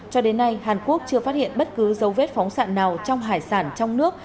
cho đến nay hàn quốc chưa phát hiện bất cứ dấu vết phóng xạ nào trong hải sản trong nước